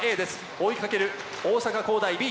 追いかける大阪公大Ｂ。